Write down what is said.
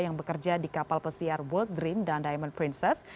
yang bekerja di kapal pesiar world dream dan diamond princess